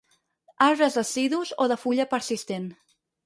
Arbres decidus o de fulla persistent.